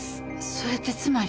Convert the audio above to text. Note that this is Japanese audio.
それってつまり。